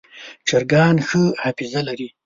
چرګان ښه حافظه لري.